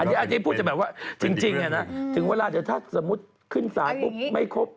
อาจจะพูดจริงถึงเวลาแต่ถ้าสมมุติขึ้นสารไม่ครบ